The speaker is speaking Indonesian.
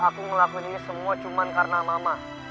aku ngelakuin ini semua cuma karena mama